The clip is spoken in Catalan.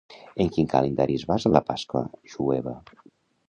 En quin calendari es basa la Pasqua jueva?